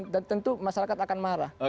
dan tentu masyarakat akan marah